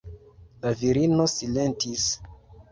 La virino silentis.